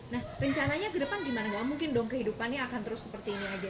nah rencananya ke depan gimana mungkin kehidupannya akan terus seperti ini saja